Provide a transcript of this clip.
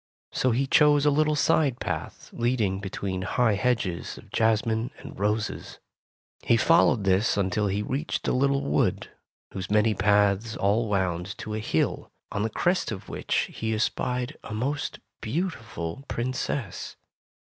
So he chose a little side path leading between high hedges of jasmine and roses. He followed this until he reached a little wood, whose many paths all wound to a hill, on the crest of which he espied a most beautiful Princess.